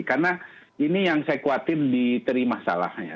karena ini yang saya kuatir diterima salahnya